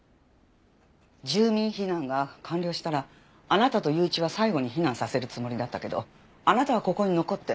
住民避難が完了したらあなたと雄一は最後に避難させるつもりだったけどあなたはここに残って。